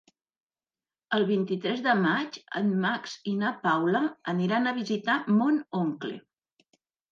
El vint-i-tres de maig en Max i na Paula aniran a visitar mon oncle.